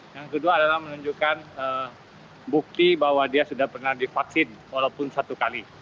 yang kedua adalah menunjukkan bukti bahwa dia sudah pernah divaksin walaupun satu kali